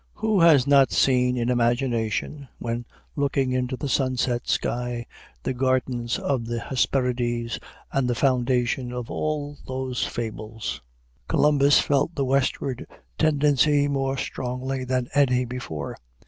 Who has not seen in imagination, when looking into the sunset sky, the gardens of the Hesperides, and the foundation of all those fables? Columbus felt the westward tendency more strongly than any before.